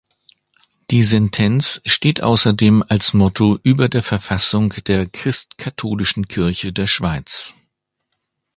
Die Sentenz steht außerdem als Motto über der Verfassung der Christkatholischen Kirche der Schweiz.